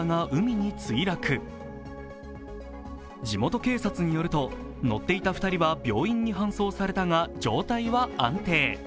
地元警察によると乗っていた２人は病院に搬送されたが状態は安定。